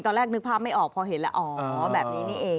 นึกภาพไม่ออกพอเห็นแล้วอ๋อแบบนี้นี่เอง